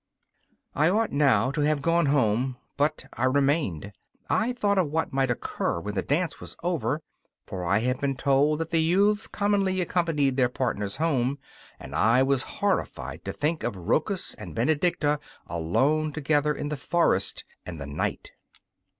I ought now to have gone home, but I remained, I thought of what might occur when the dance was over, for I had been told that the youths commonly accompanied their partners home, and I was horrified to think of Rochus and Benedicta alone together in the forest and the night.